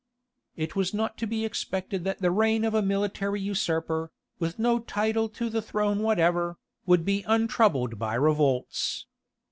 It was not to be expected that the reign of a military usurper, with no title to the throne whatever, would be untroubled by revolts.